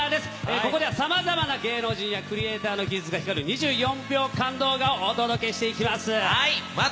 ここではさまざまな芸能人やクリエイターたちの特技が光る２４秒動画をお届けしていきます。